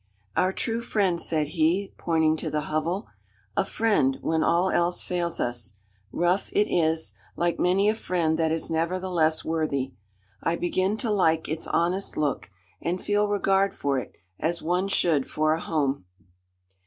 "Our true friend," said he, pointing to the hovel, "a friend, when all else fails us. Rough it is like many a friend that is nevertheless worthy. I begin to like its honest look, and feel regard for it as one should for a home."